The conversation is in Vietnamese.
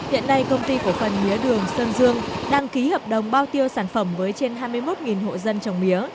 hiện nay công ty cổ phần mía đường sơn dương đang ký hợp đồng bao tiêu sản phẩm với trên hai mươi một hộ dân trồng mía